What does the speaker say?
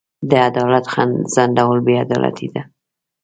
د عدالت ځنډول بې عدالتي ده.